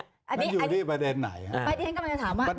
มันอยู่ที่ประเด็นไหนครับ